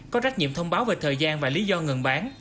có trách nhiệm thông báo về thời gian và lý do ngừng bán